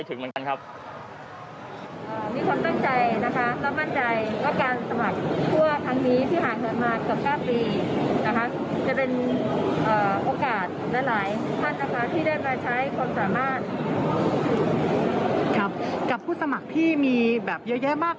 แล้วก็มีอมความรู้นะคะที่จำกัดต้องมีความตั้งใจจริง